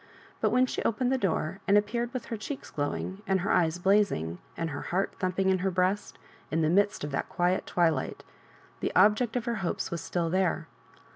But when she opened the door, and appeared with her cheeks glowing, and her eyes blazing, and her heart thumping in her breast, in the midst of that quiet twilight, the object of her hopes was still there.